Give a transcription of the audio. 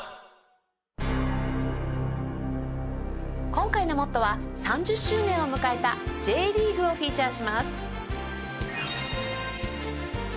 今回の『ＭＯＴＴＯ！！』は３０周年を迎えたＪリーグをフィーチャーします。